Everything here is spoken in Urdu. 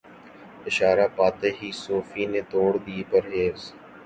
اشارہ پاتے ہی صوفی نے توڑ دی پرہیز